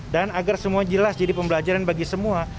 dan agar semua jelas jadi pembelajaran bagi semua